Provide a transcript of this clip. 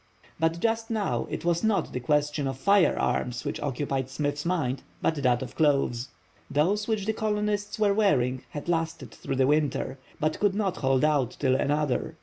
But just now it was not the question of firearms which occupied Smith's mind, but that of clothes. Those which the colonists were wearing had lasted through the winter, but could not hold out till another.